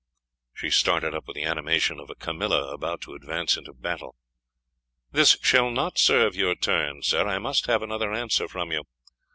She started up with the animation of a Camilla about to advance into battle. "This shall not serve your turn, sir, I must have another answer from you."